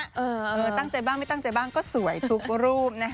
ตั้งใจบ้างไม่ตั้งใจบ้างก็สวยทุกรูปนะคะ